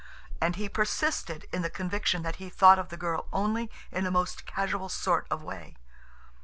And he persisted in the conviction that he thought of the girl only in a most casual sort of way.